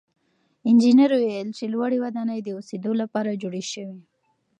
انجنیر وویل چې لوړې ودانۍ د اوسېدو لپاره جوړې سوې.